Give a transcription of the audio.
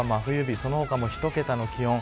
その他も一桁の気温。